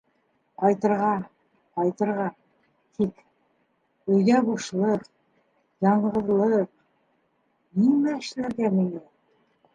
Ҡайтырға... ҡайтырға... тик... өйҙә бушлыҡ... яңғыҙлыҡ... нимә эшләргә миңә?